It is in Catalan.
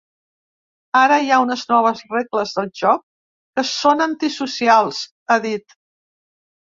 Ara hi ha unes noves regles del joc que són antisocials, ha dit.